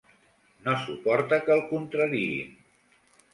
No suporta que el contrariïn.